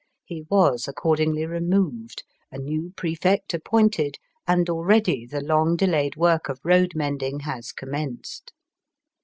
He was accordingly removed, a new Prefect appointed, and already the long delayed work of road mending has commenced.